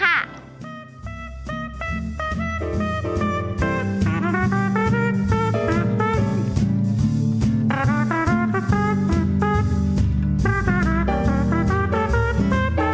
และตอนนี้นะคะ